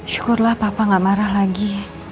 syukur lah papa gak marah lagi